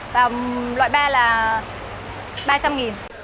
và loại ba là ba trăm linh